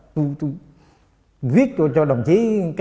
tôi viết cho đồng chí